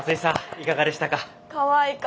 いかがでしたか？